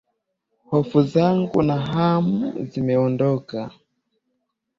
Hofu zangu na hamu zimeondoka,